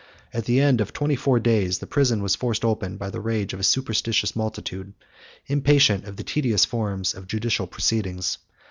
At the end of twenty four days, the prison was forced open by the rage of a superstitious multitude, impatient of the tedious forms of judicial proceedings.